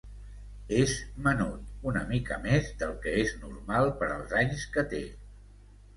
És menut, una mica més del que és normal per als anys que té.